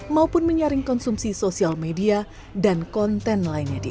maupun menyaringkan anak